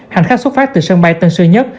hành khách xuất phát từ sân bay tân sơn nhất